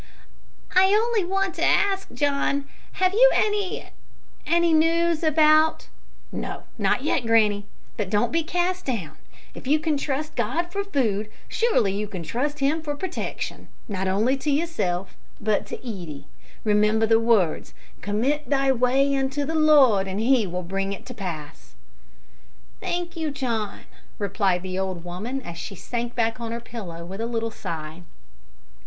"I only want to ask, John, have you any any news about " "No, not yet, granny; but don't be cast down. If you can trust God for food, surely you can trust Him for protection, not only to yourself, but to Edie. Remember the words, `Commit thy way unto the Lord, and He will bring it to pass.'" "Thank you, John," replied the old woman, as she sank back on her pillow with a little sigh.